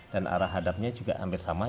dan arah hadapnya juga hampir sama